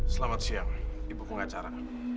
selamat siang ibu pengacara